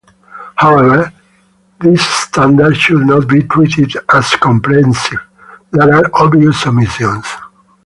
However this standard should not be treated as comprehensive, there are obvious omissions.